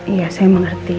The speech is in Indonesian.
iya saya mengerti